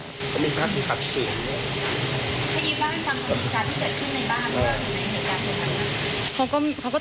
เขามีความสุขขัดขึน